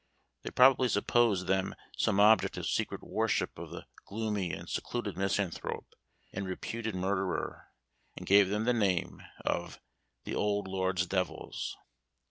They probably supposed them some object of secret worship of the gloomy and secluded misanthrope and reputed murderer, and gave them the name of "The old Lord's Devils."